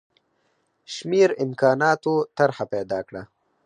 شمېر امکاناتو طرح پیدا کړه.